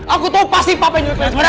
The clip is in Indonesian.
aku tau pasti papa nyulik lady